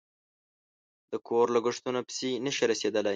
د کور لگښتونو پسې نشي رسېدلی